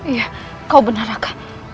iya kau benarkan